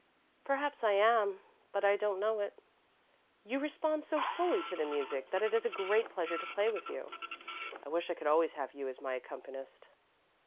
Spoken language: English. "Perhaps I am, but I don't know it." "You respond so fully to the music that it is a great pleasure to play with you. I wish I could always have you as my accompanist."